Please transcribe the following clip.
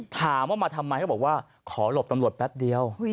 ถามว่ามาทำไมเขาบอกว่าขอหลบตำรวจแป๊บเดียว